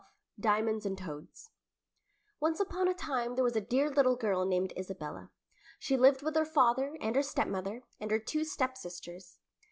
XII DIAMONDS AND TOADS ONCE upon a time there was a dear little girl named Isabella. She lived with her father, and her stepmother, and her two stepsisters.